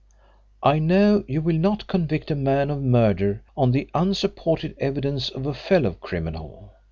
I know you will not convict a man of murder on the unsupported evidence of a fellow criminal.